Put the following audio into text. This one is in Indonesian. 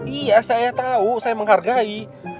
iya saya tahu saya menghargai